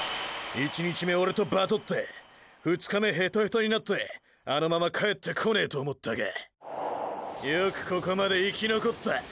１日目オレとバトって２日目ヘトヘトになってあのまま帰ってこねぇと思ったがよくここまで生き残った！！